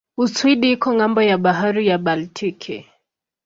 Uswidi iko ng'ambo ya bahari ya Baltiki.